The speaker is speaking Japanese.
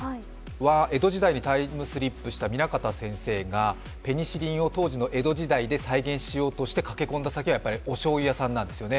江戸時代にタイムスリップした南方仁先生がペニシリンを当時の江戸時代で再現しようとして駆け込んだ先はやっぱり、おしょうゆ屋さんなんですよね。